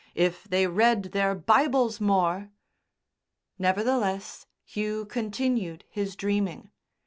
If they read their Bibles more!" Nevertheless, Hugh continued his dreaming.